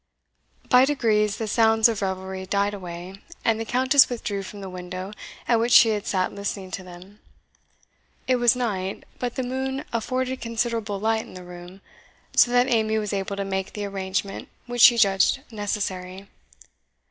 By degrees the sounds of revelry died away, and the Countess withdrew from the window at which she had sat listening to them. It was night, but the moon afforded considerable light in the room, so that Amy was able to make the arrangement which she judged necessary.